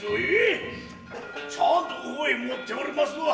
ちゃんとここへ持っておりますわ。